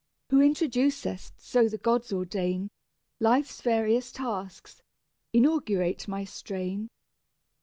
Who introducest, so the gods ordain, Life's various tasks, inaugurate my strain.